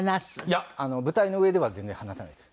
いや舞台の上では全然話さないです。